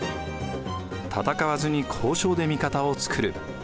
戦わずに交渉で味方を作る。